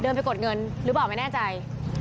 ไปกดเงินหรือเปล่าไม่แน่ใจ